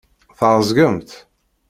Tɛeẓgemt?